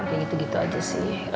kayak gitu gitu aja sih